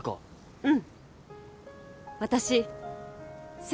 うん。